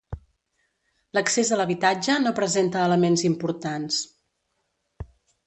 L'accés a l'habitatge no presenta elements importants.